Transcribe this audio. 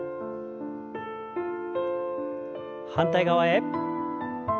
反対側へ。